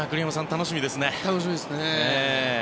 楽しみですね。